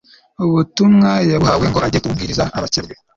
ubutumwa yabuhawe ngo ajye kububwiriza abakebwe